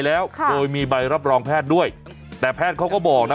แล้วค่ะโดยมีใบรับรองแพทย์ด้วยแต่แพทย์เขาก็บอกนะ